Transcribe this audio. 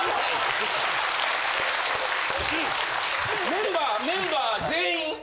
メンバーメンバー全員？